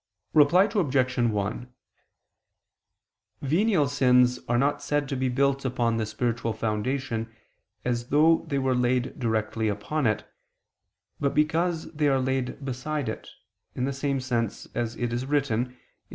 Reply Obj. 1: Venial sins are not said to be built upon the spiritual foundation, as though they were laid directly upon it, but because they are laid beside it; in the same sense as it is written (Ps.